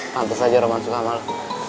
pantes aja roman suka sama lo